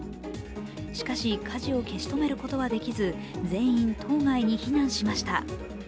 しかし、火事を消し止めることはできず全員、島外に避難しました。